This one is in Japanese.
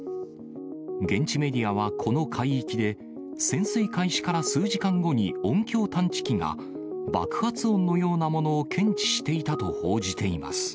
現地メディアはこの海域で、潜水開始から数時間後に音響探知機が爆発音のようなものを検知していたと報じています。